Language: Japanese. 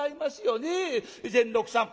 善六さん